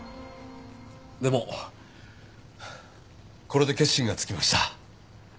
でもこれで決心がつきました。